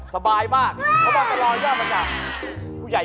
สวัสดีค่ะ